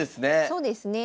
そうですね。